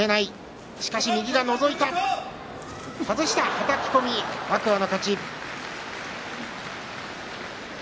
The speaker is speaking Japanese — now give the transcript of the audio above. はたき込み天空海の勝ち。